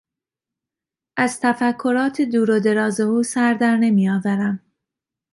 از تفکرات دور و دراز او سر در نمیآورم.